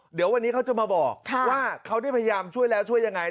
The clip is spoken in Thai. เดี๋ยววันนี้เขาจะมาบอกว่าเขาได้พยายามช่วยแล้วช่วยยังไง